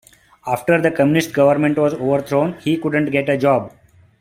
After the Communist government was overthrown he couldn't get a job.